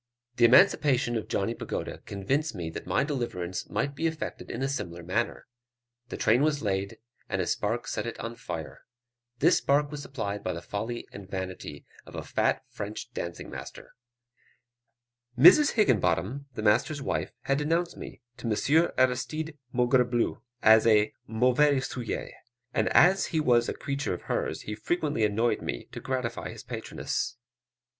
The emancipation of Johnny Pagoda convinced me that my deliverance might be effected in a similar manner. The train was laid, and a spark set it on fire. This spark was supplied by the folly and vanity of a fat French dancing master. These Frenchmen are ever at the bottom of mischief. Mrs Higginbottom, the master's wife, had denounced me to Monsieur Aristide Maugrebleu as a mauvais sujet; and as he was a creature of hers, he frequently annoyed me to gratify his patroness.